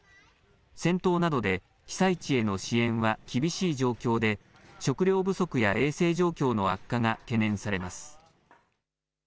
戦闘などで被災地への支援は厳しい状況で、食料不足や衛生状況の悪化が懸念されます。